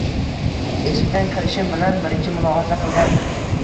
Eshikdan kirishim bilan birinchi mulohaza qilgandim.